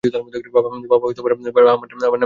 বাবা আমার নাম দিয়াছিলেন সত্যধন।